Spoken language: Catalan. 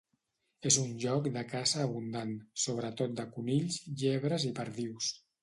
És un lloc de caça abundant, sobretot de conills, llebres i perdius.